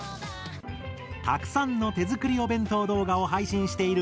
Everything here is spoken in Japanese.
たくさんの手作りお弁当動画を配信しているモテお君。